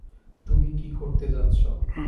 তুমি কি করতে যাচ্ছ?